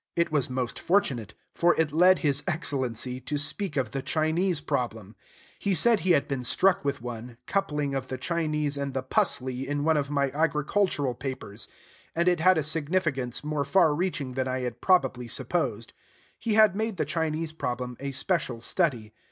It was most fortunate; for it led his Excellency to speak of the Chinese problem. He said he had been struck with one, coupling of the Chinese and the "pusley" in one of my agricultural papers; and it had a significance more far reaching than I had probably supposed. He had made the Chinese problem a special study.